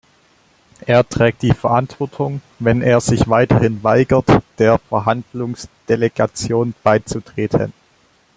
Er trägt die Verantwortung, wenn er sich weiterhin weigert, der Verhandlungsdelegation beizutreten.